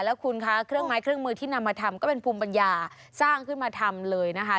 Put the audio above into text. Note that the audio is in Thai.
แล้วคุณคะเครื่องไม้เครื่องมือที่นำมาทำก็เป็นภูมิปัญญาสร้างขึ้นมาทำเลยนะคะ